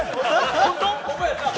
本当？